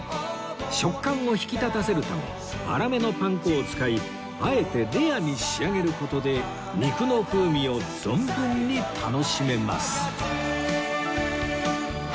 食感を引き立たせるため粗めのパン粉を使いあえてレアに仕上げる事で肉の風味を存分に楽しめます